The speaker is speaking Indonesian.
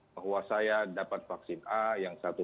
bahwa saya dapat vaksin a yang satu